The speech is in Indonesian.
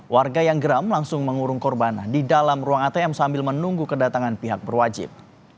warga yang geram langsung mengurung korban di dalam ruang atm sambil menunggu kedatangan pihak berwajib